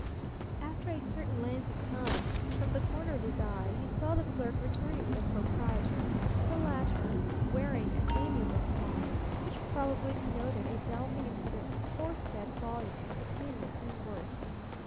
After a certain length of time, from the corner of his eye he saw the clerk returning with the proprietor, the latter wearing an amiable smile, which probably connoted a delving into the aforesaid volumes of attainment and worth.